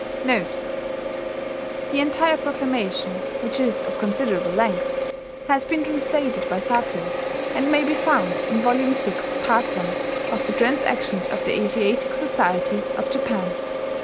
"* [*The entire proclamation, which is of considerable length, has been translated by Satow, and may be found in Vol. VI, part I, of the Transactions of the Asiatic Society of Japan.